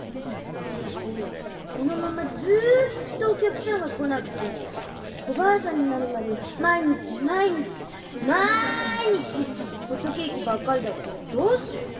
ジジこのままずっとお客さんが来なくておばあさんになるまで毎日毎日まいにちホットケーキばっかりだったらどうしよう？